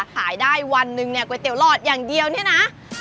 สายได้วันนึงก๋วยเตี๋ยวลอดอย่างเดียวนี่นะ